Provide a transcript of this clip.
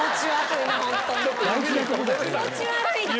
気持ち悪いって！